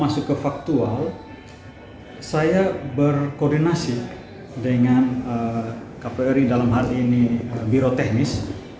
saya berkoordinasi dengan kpuri dalam hal ini biro teknis